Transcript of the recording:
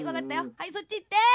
はいそっちいって。